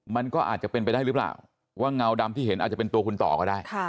มันก็อาจจะเป็นไปได้หรือเปล่าว่าเงาดำที่เห็นอาจจะเป็นตัวคุณต่อก็ได้